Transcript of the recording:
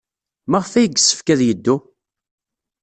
Maɣef ay yessefk ad yeddu?